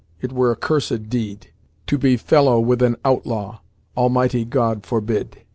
it were a cursed dede: To be felàwe with an outlàwe! Almighty God forbede!